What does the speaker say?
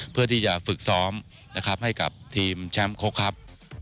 เพื่อที่จะฝึกซ้อมนะครับให้กับทีมแชมป์คกครับ